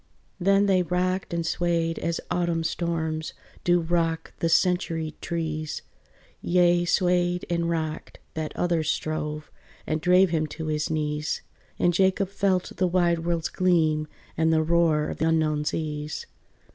Then they rocked and swayed as Autumn storms Do rock the centuried trees: Yea, swayed and rocked: that other strove, And drave him to his knees, And Jacob felt the wide world's gleam And the roar of unknown seas.